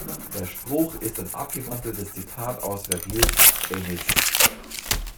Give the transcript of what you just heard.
Der Spruch ist ein abgewandeltes Zitat aus Vergils "Aeneis".